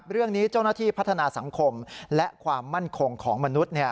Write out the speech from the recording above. เรื่องนี้เจ้าหน้าที่พัฒนาสังคมและความมั่นคงของมนุษย์